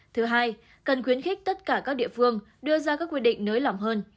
thứ hai cần khuyến khích tất cả các địa phương đưa ra các quy định nới lỏng hơn